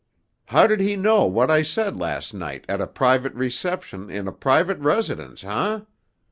How did he know what I said last night at a private reception in a private residence, eh?